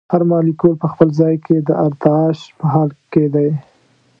هر مالیکول په خپل ځای کې د ارتعاش په حال کې دی.